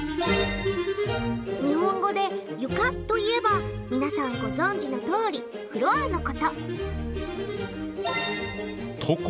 日本語で「床」といえば皆さんご存じのとおり「フロア」のこと。